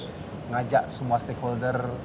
mengajak semua stakeholder